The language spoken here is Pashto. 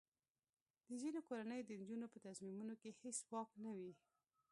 د ځینو کورنیو د نجونو په تصمیمونو کې هیڅ واک نه وي.